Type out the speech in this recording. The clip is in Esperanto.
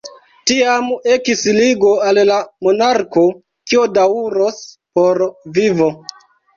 Tiam ekis ligo al la monarko, kio daŭros por vivo.